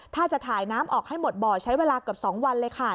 ถ้าจะถ่ายน้ำออกให้หมดบ่อใช้เวลาเกือบ๒วันเลยค่ะ